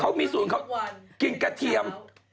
เขามีสูตรเขากินกระเทียม